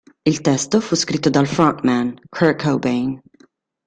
Il testo fu scritto dal frontman Kurt Cobain.